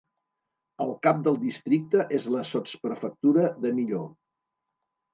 El cap del districte és la sotsprefectura de Millau.